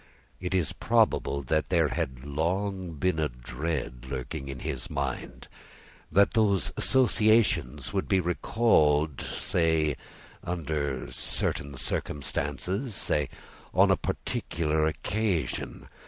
It is probable that there had long been a dread lurking in his mind, that those associations would be recalled say, under certain circumstances say, on a particular occasion.